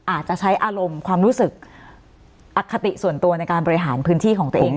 อาจจะใช้อารมณ์ความรู้สึกอคติส่วนตัวในการบริหารพื้นที่ของตัวเอง